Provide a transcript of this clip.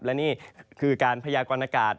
และนี่คือการพยากรณากาศ